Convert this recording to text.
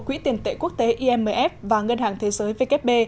quỹ tiền tệ quốc tế imf và ngân hàng thế giới vkp